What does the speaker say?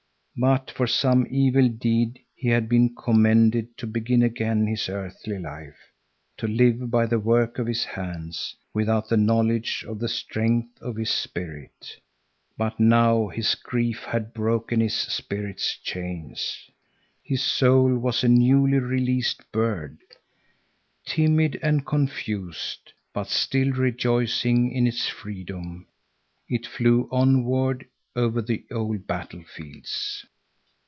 But for some evil deed he had been condemned to begin again his earthly life, to live by the work of his hands, without the knowledge of the strength of his spirit. But now his grief had broken his spirit's chains. His soul was a newly released bird. Timid and confused, but still rejoicing in its freedom, it flew onward over the old battlefields.